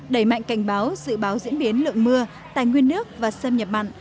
đẩy mạnh cảnh báo dự báo diễn biến lượng mưa tài nguyên nước và xâm nhập mặn